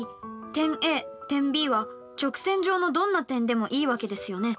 点Ａ点Ｂは直線上のどんな点でもいいわけですよね。